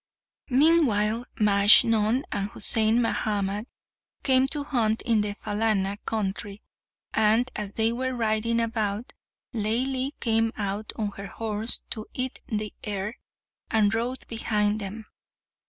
Meanwhile, Majnun and Husain Mahamat came to hunt in the Phalana country; and as they were riding about, Laili came out on her horse to eat the air, and rode behind them.